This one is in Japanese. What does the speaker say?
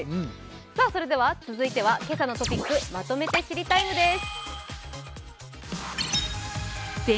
続いては「けさのトピックまとめて知りＴＩＭＥ，」です。